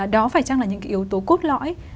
đó phải chăng là những yếu tố cốt lõi